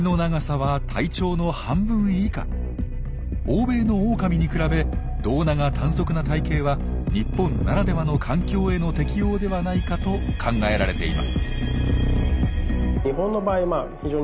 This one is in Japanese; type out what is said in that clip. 欧米のオオカミに比べ胴長短足な体型は日本ならではの環境への適応ではないかと考えられています。